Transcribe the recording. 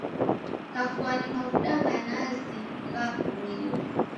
Kafwani mavuda gha nazi ghakumilo.